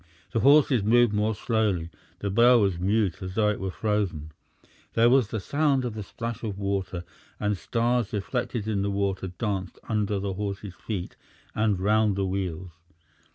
The horses moved more slowly; the bell was mute as though it were frozen. There was the sound of the splash of water, and stars reflected in the water danced under the horses' feet and round the wheels.